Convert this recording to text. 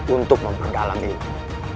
untuk memperdalam ilmu